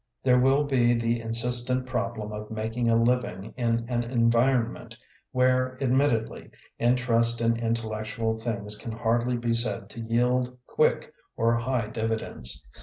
There will be the insistent problem of mak ing a living in an environment where, admittedly, interest in intellectual things can hardly be said to yield quick or high dividends.